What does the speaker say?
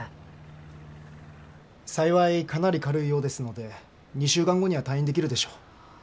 幸いかなり軽いようですので２週間後には退院できるでしょう。